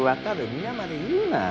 皆まで言うな。